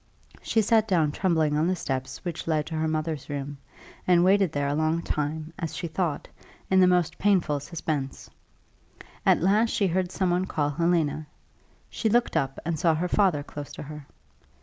She sat down trembling on the steps which led to her mother's room, and waited there a long time, as she thought, in the most painful suspense. At last she heard some one call Helena. She looked up, and saw her father close to her.